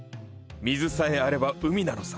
水さえあれば海なのさ。